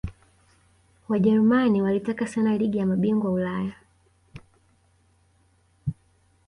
Wajerumani walitaka sana ligi ya mabingwa Ulaya